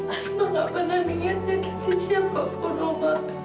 asma gak pernah niat nyakitin siapapun umar